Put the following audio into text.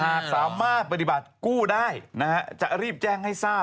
หากสามารถปฏิบัติกู้ได้นะฮะจะรีบแจ้งให้ทราบ